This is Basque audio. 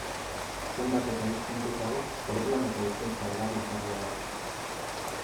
Zenbat eta hiztun gehiago, orduan eta hizkuntza erabilgarriagoa.